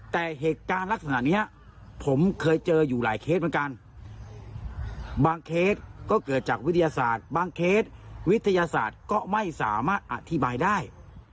แต่เหตุการณ์ลักษณะนี้ผมเคยเจออยู่หลายเคสเหมือนกันบางเคสก็เกิดจากวิทยาศาสตร์บางเคสวิทยาศาสตร์ก็ไม่สามารถอธิบายได้